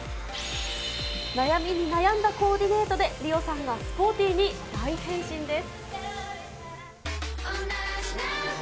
悩みに悩んだコーディネートでリオさんがスポーティーに大変身です。